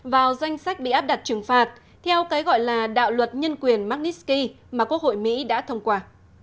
vào danh sách bị áp đặt trừng phạt theo cái gọi là đạo luật nhân quyền margnisky mà quốc hội mỹ đã thông qua